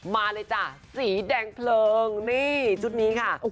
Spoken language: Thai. มาเลยจ้ะสีแดงเพลิงนี่ชุดนี้ค่ะ